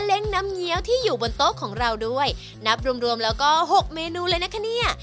ก็๖เมนูเลยนะค่ะเนี่ย